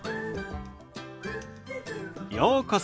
ようこそ。